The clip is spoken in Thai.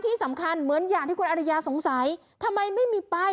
ที่สำคัญเหมือนอย่างที่คุณอริยาสงสัยทำไมไม่มีป้าย